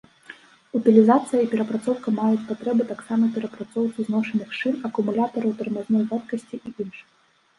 Утылізацыя і перапрацоўка маюць патрэбу таксама перапрацоўцы зношаных шын, акумулятараў, тармазной вадкасці і іншых.